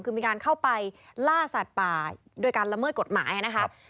คือมีการเข้าไปล่าสัตว์ป่าโดยการละเมิดกฎหมายนะครับ